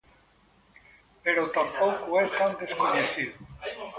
Pero tampouco é tan descoñecido.